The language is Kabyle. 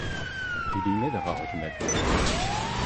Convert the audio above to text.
Tili ad aɣeɣ gma-twen.